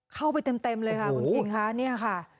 เข้าไปเต็มเลยค่ะคุณคิงคะเนี่ยค่ะ